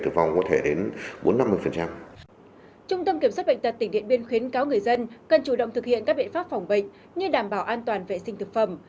trung tâm kiểm soát bệnh tật tỉnh điện biên khuyến cáo người dân cần chủ động thực hiện các biện pháp phòng bệnh như đảm bảo an toàn vệ sinh thực phẩm